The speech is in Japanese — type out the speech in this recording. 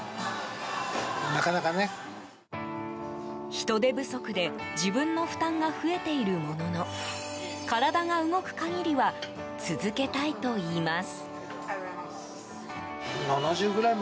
人手不足で自分の負担が増えているものの体が動く限りは続けたいといいます。